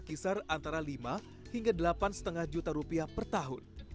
kisar antara lima hingga delapan lima juta rupiah per tahun